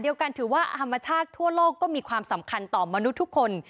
ถือว่าธรรมชาติทั่วโลกก็มีความสำคัญต่อมนุษย์ทุกคน